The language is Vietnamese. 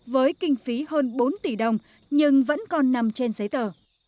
với kinh phí hơn bốn tỷ đồng nhưng vẫn còn nằm trên giấy tờ